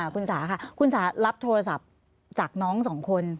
คุณสาค่ะคุณสารับโทรศัพท์จากน้องสองคน